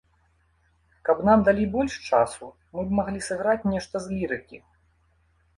Каб нам далі больш часу, мы б маглі сыграць нешта з лірыкі.